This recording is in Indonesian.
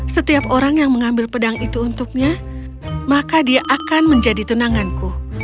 setiap orang yang mengambil pedang itu untuknya maka dia akan menjadi tunanganku